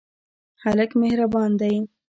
هلک مهربان دی.